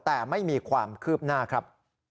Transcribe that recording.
แต่ไม่มีความคืบหน้าครับ